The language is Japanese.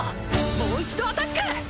もう一度アタック！